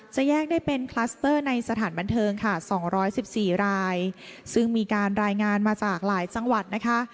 แยกได้เป็นคลัสเตอร์ในสถานบันเทิงค่ะ๒๑๔รายซึ่งมีการรายงานมาจากหลายจังหวัดนะคะ